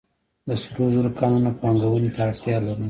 د سرو زرو کانونه پانګونې ته اړتیا لري